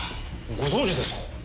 ご存じですか？